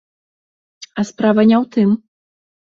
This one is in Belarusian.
А справа не ў тым.